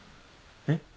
えっ？